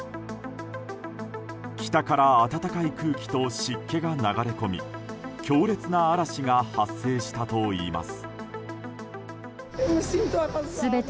北から暖かい空気と湿気が流れ込み強烈な嵐が発生したといいます。